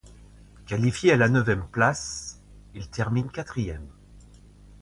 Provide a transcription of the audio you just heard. Qualifié à la neuvième place, il termine quatrième.